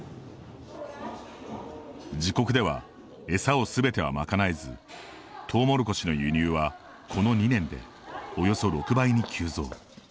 自国では、エサを全ては賄えずトウモロコシの輸入はこの２年でおよそ６倍に急増。